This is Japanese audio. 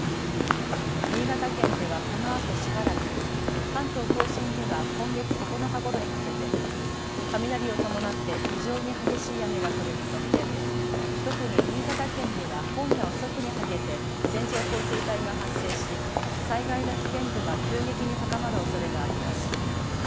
新潟県ではこのあとしばらく、関東甲信では今月９日ごろにかけて雷を伴って非常に激しい雨が降る見込みで特に新潟県では今夜遅くにかけて線状降水帯が発生し災害の危険度が急激に高まるおそれがあります。